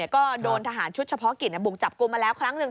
ก็โดนทหารชุดเฉพาะกิจบุกจับกลุ่มมาแล้วครั้งหนึ่ง